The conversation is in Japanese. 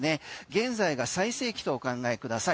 現在が最盛期とお考えください。